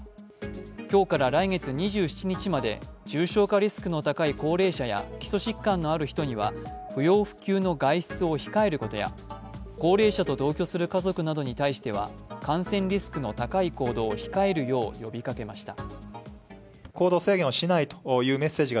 今日から来月２７日まで重症化リスクの高い高齢者や基礎疾患のある人には不要不急の外出を控えることや高齢者と同居する家族などに対しては感染リスクの高い行動を控えるよう呼びかけました。